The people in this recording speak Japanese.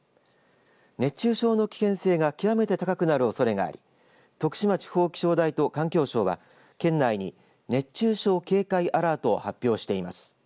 熱中症の危険性が極めて高くなるおそれがあり徳島地方気象台と環境省は県内に熱中症警戒アラートを発表しています。